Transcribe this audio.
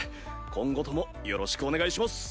今後ともよろしくお願いします。